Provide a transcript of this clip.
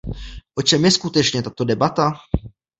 O čem je skutečně tato debata?